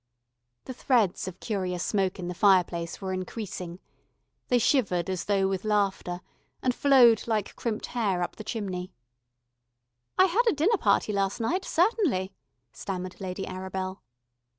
The threads of curious smoke in the fireplace were increasing. They shivered as though with laughter, and flowed like crimped hair up the chimney. "I had a dinner party last night certainly," stammered Lady Arabel.